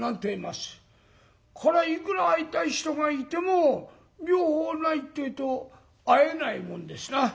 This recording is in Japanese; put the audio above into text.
これはいくら会いたい人がいても両方ないってえと会えないもんですな。